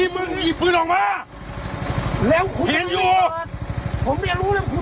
ไม่เป็นไรครับ